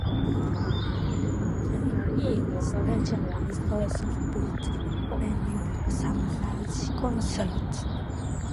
Murrayfield Stadium has also been the venue for some large concerts.